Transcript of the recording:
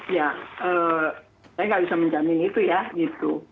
ya saya nggak bisa menjamin itu ya gitu